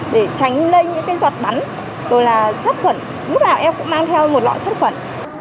để tránh lây những cái giọt bắn rồi là sát khuẩn lúc nào em cũng mang theo một lọ sát khuẩn